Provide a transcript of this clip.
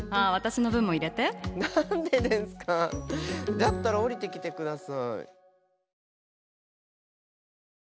だったら降りてきてください。